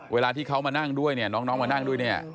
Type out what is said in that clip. เวลาที่เขามานั่งด้วยเนี่ยน้องมานั่งด้วยเนี่ย